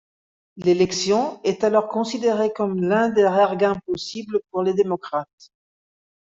L'élection est alors considérée comme l'un des rares gains possibles pour les démocrates.